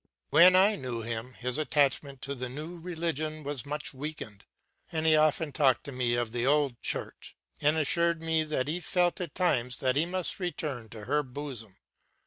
When I knew him his attachment to the new religion was much weakened, and he often talked to me of the old Church, and assured me that he felt at times that he must return to her bosom.